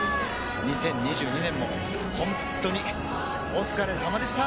２０２２年もほんっとにお疲れさまでした！